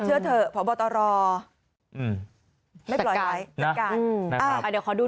อืมนะครับ